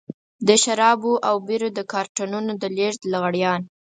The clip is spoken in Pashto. د شرابو او بيرو د کارټنونو د لېږد لغړيان.